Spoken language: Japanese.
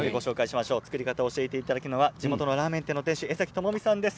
作り方を教えていただくのは地元のラーメン店の店主江崎智美さんです。